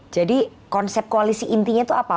jadi konsep koalisi intinya itu apa